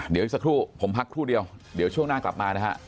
เดี๋ยวอีกสักครู่ผมพักครู่เดียวเดี๋ยวช่วงหน้ากลับมานะฮะ